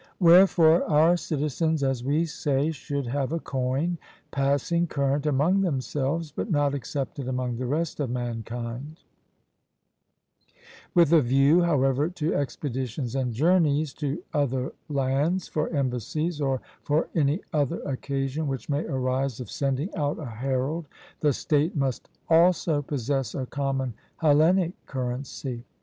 Wherefore our citizens, as we say, should have a coin passing current among themselves, but not accepted among the rest of mankind; with a view, however, to expeditions and journeys to other lands, for embassies, or for any other occasion which may arise of sending out a herald, the state must also possess a common Hellenic currency.